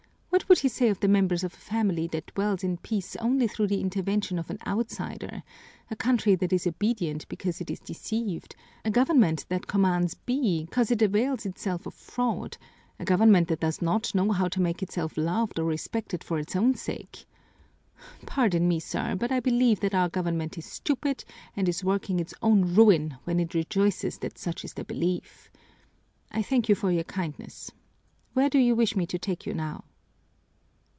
What would you say of the members of a family that dwells in peace only through the intervention of an outsider: a country that is obedient because it is deceived; a government that commands be, cause it avails itself of fraud, a government that does not know how to make itself loved or respected for its own sake? Pardon me, sir, but I believe that our government is stupid and is working its own ruin when it rejoices that such is the belief. I thank you for your kindness, where do you wish me to take you now?"